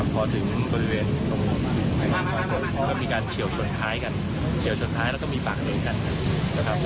ผู้ตายแล้วก็มีปากหนึ่งกันกัน